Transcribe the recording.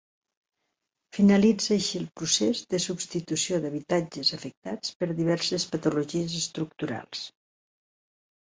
Finalitza així el procés de substitució d'habitatges afectats per diverses patologies estructurals.